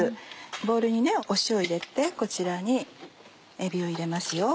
ボウルに塩を入れてこちらにえびを入れますよ。